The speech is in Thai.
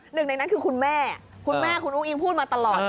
หนึ่งในนั้นคือคุณแม่คุณแม่คุณอุ้งอิงพูดมาตลอด